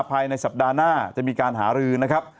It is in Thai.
ภายในสัปดาห์หน้าจะมีการหารือนะครับ